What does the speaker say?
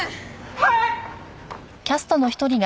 はい！